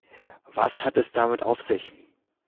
Was hat es damit auf sich?